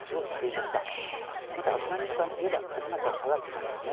またアフガニスタンといえば緒方貞子さんですね。